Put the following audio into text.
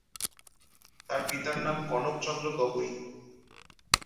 তার পিতার নাম কনক চন্দ্র গগৈ।